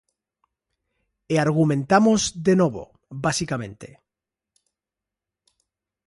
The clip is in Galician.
E argumentamos de novo, basicamente.